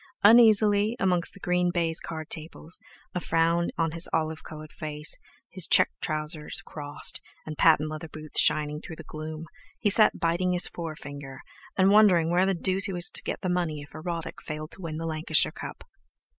Uneasily, amongst the green baize card tables, a frown on his olive coloured face, his check trousers crossed, and patent leather boots shining through the gloom, he sat biting his forefinger, and wondering where the deuce he was to get the money if Erotic failed to win the Lancashire Cup.